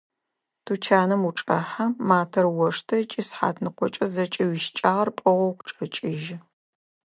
Тучаным учӏэхьэ, матэр оштэ ыкӏи сыхьатныкъокӏэ зэкӏэ уищыкӏагъэр пӏыгъэу укъычӏэкӏыжьы.